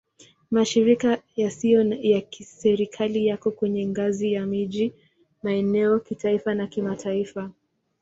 Mashirika yasiyo ya Kiserikali yako kwenye ngazi ya miji, maeneo, kitaifa na kimataifa.